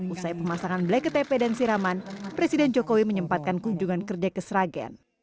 usai pemasangan bleket pe dan siraman presiden jokowi menyempatkan kunjungan kerja ke sragen